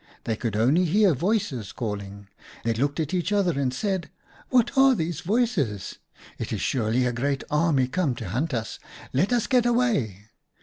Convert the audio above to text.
They could only hear voices calling. They looked at each other and said, ' What are these voices ? 1 1 is surely a great army come to hunt us. Let us get away.'